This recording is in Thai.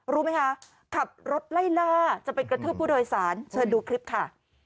รู้ไหมคะขับรถไล่ล่าจะไปกระทืบผู้โดยสารเชิญดูคลิปค่ะ